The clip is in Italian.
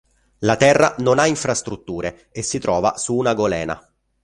La terra non ha infrastrutture e si trova su una golena.